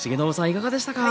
いかがでしたか？